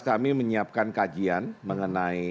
kami menyiapkan kajian mengenai